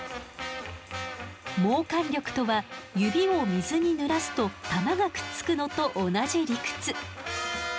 毛管力とは指を水にぬらすと玉がくっつくのと同じ理屈。